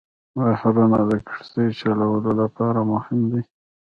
بحرونه د کښتۍ چلولو لپاره مهم دي.